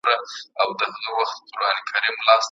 دا زموږ ملي دنده ده چي افغانۍ پیاوړې وساتو.